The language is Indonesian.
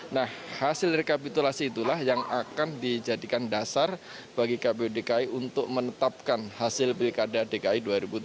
nah hasil rekapitulasi itulah yang akan dijadikan dasar bagi kpu dki untuk menetapkan hasil pilkada dki dua ribu tujuh belas